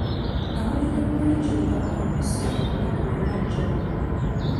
Nnawulira bulungi nga ompise olunaku lwe nnajja wano.